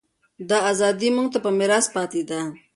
دا ازادي موږ ته په میراث پاتې ده.